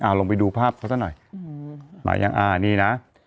อ่าลงไปดูภาพเขาหน่อยไหนยังอ่านี่นะ